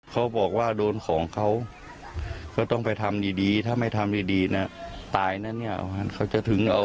เขาบอกว่าโดนของเขาก็ต้องไปทำดีดีถ้าไม่ทำดีนะตายนะเนี่ยเขาจะถึงเอา